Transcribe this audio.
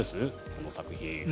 この作品。